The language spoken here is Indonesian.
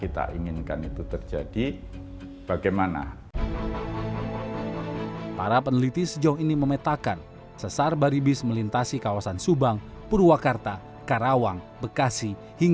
terima kasih terima kasih terima kasih